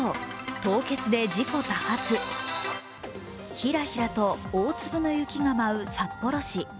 ひらひらと大粒の雪が舞う札幌市。